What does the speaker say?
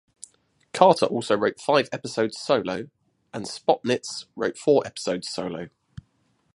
Carter also wrote five episodes solo, and Spotnitz wrote four episodes solo.